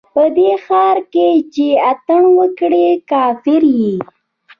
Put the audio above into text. په دې ښار کښې چې اتڼ وکړې، کافر يې